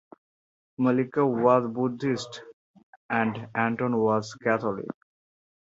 Mallika was Buddhist and Anton was Catholic.